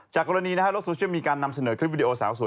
จากกรณีนั้นฮะโลกโซเชียลมีการนำเสนอคลิปสาวสวย